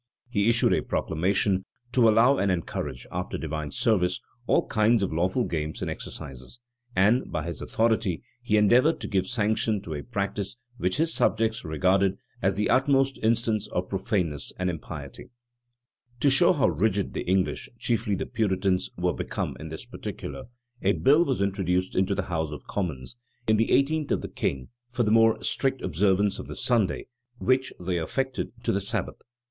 He issued a proclamation to allow and encourage, after divine service, all kinds of lawful games and exercises; and, by his authority, he endeavored to give sanction to a practice which his subjects regarded as the utmost instance of profaneness and impiety.[] * Kennet, p. 709. Franklyn, p. 31. To show how rigid the English, chiefly the Puritans, were become in this particular, a bill was introduced into the house of commons, in the eighteenth of the king, for the more strict observance of the Sunday, which they affected to the Sabbath.